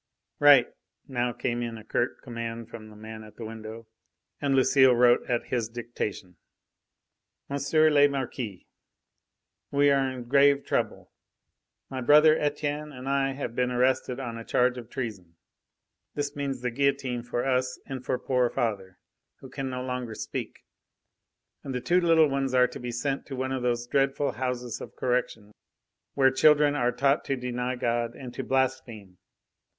"Write!" now came in a curt command from the man at the window. And Lucile wrote at his dictation: "MONSIEUR LE MARQUIS, We are in grave trouble. My brother Etienne and I have been arrested on a charge of treason. This means the guillotine for us and for poor father, who can no longer speak; and the two little ones are to be sent to one of those dreadful Houses of Correction, where children are taught to deny God and to blaspheme.